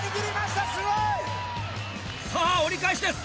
さぁ折り返しです！